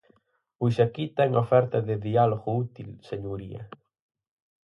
Pois aquí ten a oferta de diálogo útil, señoría.